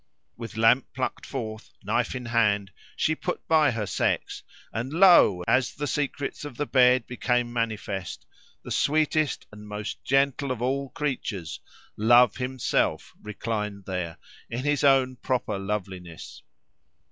With lamp plucked forth, knife in hand, she put by her sex; and lo! as the secrets of the bed became manifest, the sweetest and most gentle of all creatures, Love himself, reclined there, in his own proper loveliness!